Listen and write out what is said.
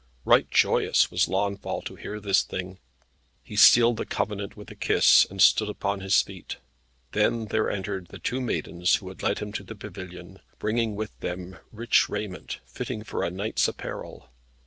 Right joyous was Launfal to hear this thing. He sealed the covenant with a kiss, and stood upon his feet. Then there entered the two maidens who had led him to the pavilion, bringing with them rich raiment, fitting for a knight's apparel.